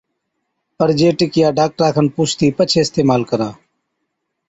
پَر جي ٽِڪِيا ڊاڪٽرا کن پُوڇتِي پڇي اِستعمال ڪرا،